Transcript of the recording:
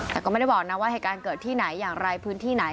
แต่ก็ไม่ได้บอกนะว่าเหตุการณ์เกิดที่ไหนอย่างไรพื้นที่ไหน